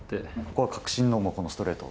ここは確信のストレート？